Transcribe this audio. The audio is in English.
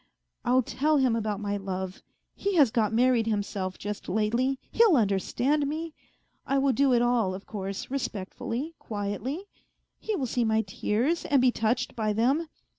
I'll tell him about my love; he has got married himself just lately, he'll understand me. I will do it all, of course, respectfully, quietly ; he will see my tears and be touched by them.